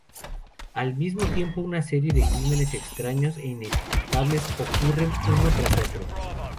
Al mismo tiempo, una serie de crímenes extraños e inexplicables ocurren uno tras otro.